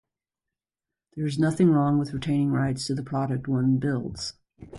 There is nothing wrong with retaining rights to the product one builds.